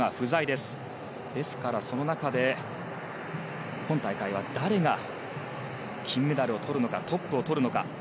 ですから、その中で今大会は誰が金メダルをとるのかトップをとるのか。